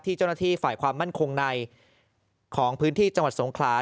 เจ้าหน้าที่ฝ่ายความมั่นคงในของพื้นที่จังหวัดสงขลา